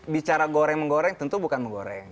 kalau orang yang menggoreng tentu bukan menggoreng